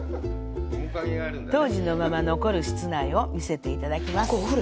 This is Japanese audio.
当時のまま残る室内を見せていただきます。